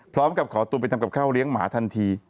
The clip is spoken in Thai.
พร้อมกับขอตัวไปทำกับข้าวเลี้ยงหมาทันที